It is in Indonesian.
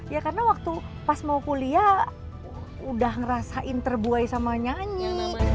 ya karena waktu pas mau kuliah udah ngerasain terbuai sama nyanyi